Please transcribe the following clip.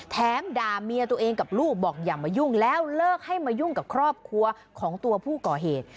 ด่าเมียตัวเองกับลูกบอกอย่ามายุ่งแล้วเลิกให้มายุ่งกับครอบครัวของตัวผู้ก่อเหตุ